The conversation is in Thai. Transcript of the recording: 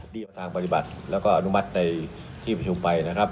ดีกว่าทางปฏิบัติและอนุมัติในที่ประชุมไปนะครับ